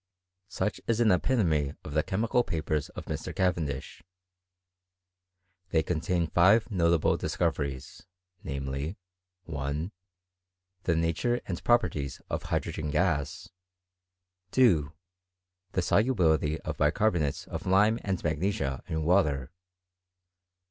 Such is an epitome of the chemical papers of Mr. Cavendish. They contain five notable discoveries j namely, 1 . The nature and properties of hydrogen gas. 2. The solubility of bicarbonates of lime and magnesia in water.